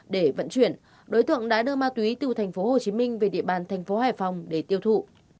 để vận chuyển đối tượng đã đưa ma túy từ thành phố hồ chí minh về địa bàn thành phố hải phòng để tiêu thụ